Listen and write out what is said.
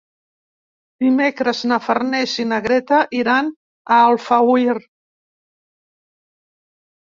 Dimecres na Farners i na Greta iran a Alfauir.